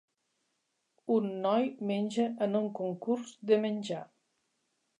Un noi menja en un concurs de menjar.